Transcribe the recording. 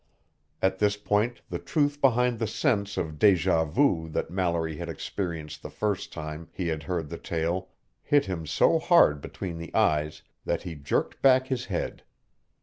At this point, the truth behind the sense of deja vu that Mallory had experienced the first time he had heard the tale hit him so hard between the eyes that he jerked back his head.